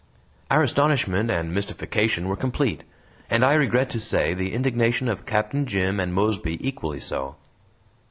Our astonishment and mystification were complete; and I regret to say, the indignation of Captain Jim and Mosby equally so.